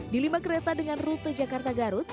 di lima kereta dengan rute jakarta garut